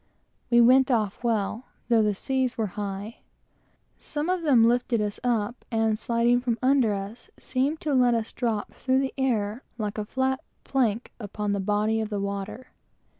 We went off well, though the seas were high. Some of them lifted us up, and sliding from under us, seemed to let us drop through the air like a flat plank upon the body of the water.